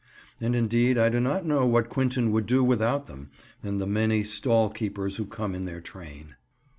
And indeed I do not know what Quinton would do without them and the many stall keepers who come in their train.